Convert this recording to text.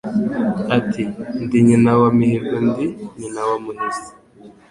Ati: ndi nyina wa Mihigo Ndi nyina wa Muhizi,